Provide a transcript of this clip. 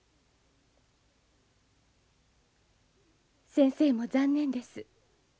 先生も残念です。